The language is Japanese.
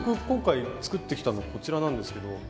今回作ってきたのこちらなんですけど。